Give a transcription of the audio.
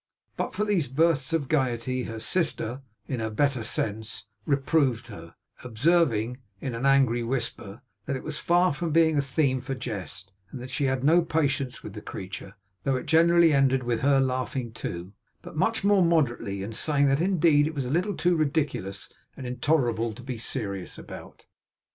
But for these bursts of gaiety, her sister, in her better sense, reproved her; observing, in an angry whisper, that it was far from being a theme for jest; and that she had no patience with the creature; though it generally ended in her laughing too but much more moderately and saying that indeed it was a little too ridiculous and intolerable to be serious about.